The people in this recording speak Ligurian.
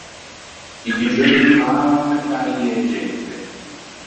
I figgeu burlavan pe fâ rie e gente.